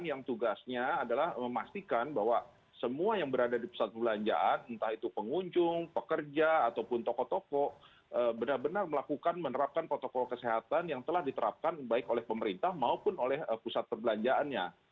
dan yang tugasnya adalah memastikan bahwa semua yang berada di pusat perbelanjaan entah itu pengunjung pekerja ataupun toko toko benar benar melakukan menerapkan protokol kesehatan yang telah diterapkan baik oleh pemerintah maupun oleh pusat perbelanjaannya